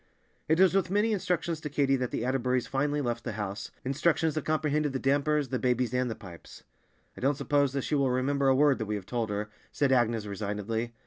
It was with many instructions to Katy that the Atterburys finally left the house, instructions that comprehended the dampers, the babies, and the pipes. "I don't suppose that she will remember a word that we have told her," said Agnes resignedly.